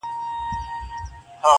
بنگړي نه غواړم.